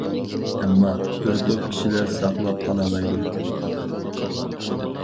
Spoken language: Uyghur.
ئەمما، بىر توپ كىشىلەر ساقلاپ قالالايدۇ.